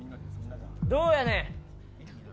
どうやねん。